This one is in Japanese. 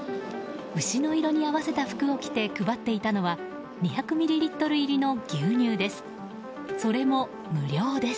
牛の色に合わせた服を着て配っていたのは２００ミリリットル入りの牛乳です。